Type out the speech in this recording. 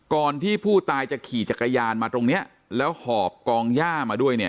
ก่อนที่ผู้ตายจะขี่จักรยานมาตรงเนี้ยแล้วหอบกองย่ามาด้วยเนี่ย